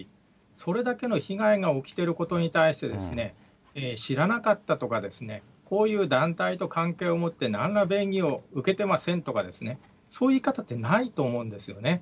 それだけの被害が起きてることに対して、知らなかったとかですね、こういう団体と関係を持ってなんら便宜を受けてませんとかね、そういう言い方ってないと思うんですよね。